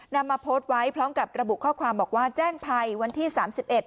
นำมาโพสต์ไว้พร้อมกับระบุข้อความบอกว่าแจ้งภัยวันที่สามสิบเอ็ด